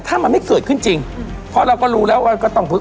ถ้ามันไม่เกิดขึ้นจริงเพราะเราก็รู้แล้วว่าก็ต้องพึก